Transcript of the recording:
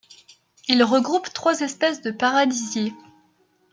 Il regroupe trois espèces de paradisiers.